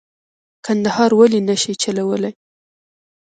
کندهار ولې نه شي چلولای.